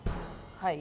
はい。